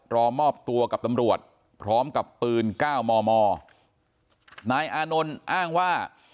รอมอบตัวกับตำรวจพร้อมกับปืนเก้ามอมอนายอานนท์อ้างว่า